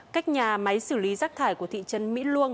cách nhà máy xử lý rác thải của thị trấn mỹ luông